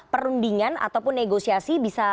perundingan ataupun negosiasi bisa